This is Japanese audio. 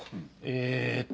えっと。